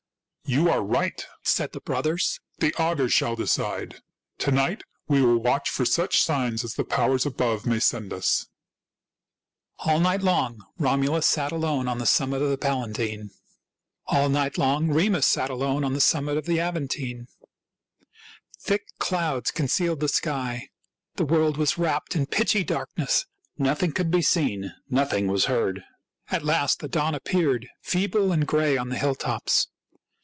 " You are right," said the brothers ;" the augurs shall decide. To night we will watch for such signs as the powers above may send us." All night long Romulus sat alone on the sum mit of the Palatine; all night long Remus sat alone on the summit of the Aventine. Thick clouds concealed the sky; the world was wrapped in pitchy darkness ; nothing could be seen ; nothing was heard. At last the dawn appeared, feeble and gray on the hilltops.